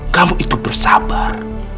kamu itu bersabar